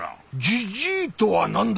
じじいとは何だ！